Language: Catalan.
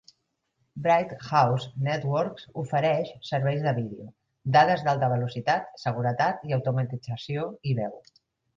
Bright House Networks ofereix serveis de vídeo, dades d'alta velocitat, seguretat i automatització i veu.